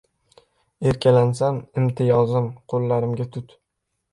Erkalansam imtiyozim qo‘llarimga tut